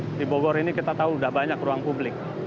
di bogor ini kita tahu sudah banyak ruang publik